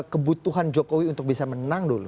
kebutuhan jokowi untuk bisa menang dulu